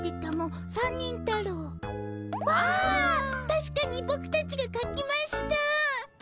たしかにボクたちが書きました。